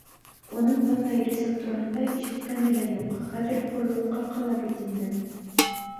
Уның бындай ризыҡ тураһында ишеткәне лә юҡ, хәҙер хурлыҡҡа ҡала бит инде.